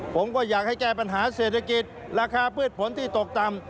ผมก็อยากให้แก้ปัญหาเศรษฐกิจราคาพืชผลที่ตกต่ำ